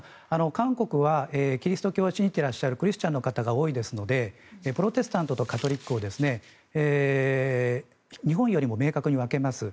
韓国はキリスト教を信じているクリスチャンの方が多いですのでプロテスタントとカトリックを日本より明確に分けます。